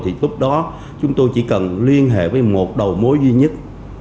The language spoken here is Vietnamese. thì lúc đó chúng tôi chỉ cần liên hệ với một đầu mối duy nhất